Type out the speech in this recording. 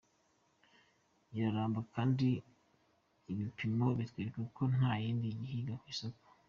Iraramba kandi ibipimo bitwereka ko nta yindi iyihiga ku isoko.